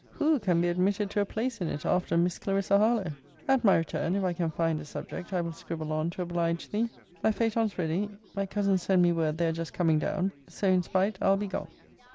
Who can be admitted to a place in it after Miss Clarissa Harlowe? At my return, if I can find a subject, I will scribble on, to oblige thee. My phaëton's ready. My cousins send me word they are just coming down: so in spite I'll be gone.